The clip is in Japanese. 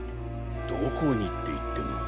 どこにっていっても。